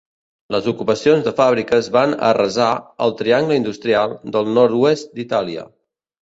Les ocupacions de fàbriques van arrasar el "triangle industrial" del nord-oest d'Itàlia.